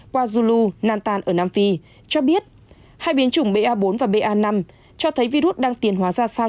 qua zulu nantan ở nam phi cho biết hai biến chủng ba bốn và ba năm cho thấy virus đang tiền hóa ra sao